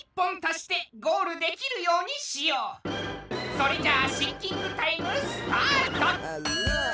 それじゃあシンキングタイムスタート！